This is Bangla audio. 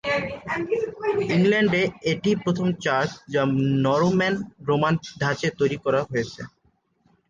ইংল্যান্ডে এটিই প্রথম চার্চ, যা নরম্যান রোমান ধাঁচে তৈরী করা হয়েছে।